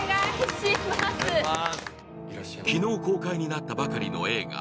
昨日公開になったばかりの映画